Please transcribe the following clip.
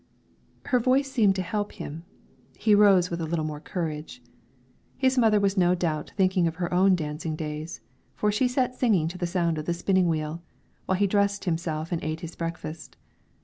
Her voice seemed to help him; he rose with a little more courage. His mother was no doubt thinking of her own dancing days, for she sat singing to the sound of the spinning wheel, while he dressed himself and ate his breakfast.